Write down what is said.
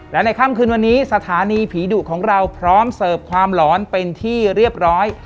และในค่ำคืนวันนี้สถานีผีดุของเราพร้อมเสิร์ฟความหลอนเป็นที่เรียบร้อย